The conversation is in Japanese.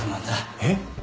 えっ？